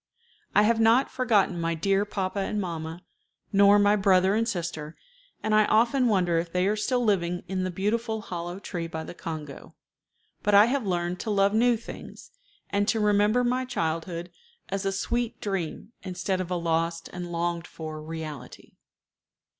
I have not forgotten my dear papa and mamma, nor my brother and sister, and I often wonder if they are still living in the beautiful hollow tree by the Congo; but I have learned to love new things, and to remember my childhood as a sweet dream instead of a lost and longed for reality.